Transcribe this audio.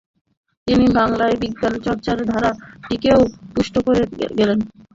তিনি বাংলায় বিজ্ঞানচর্চার ধারাটিকেও পুষ্ট করে গেছেন।